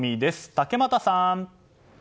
竹俣さん！